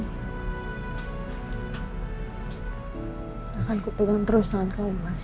aku akan pegang terus tangan kamu mas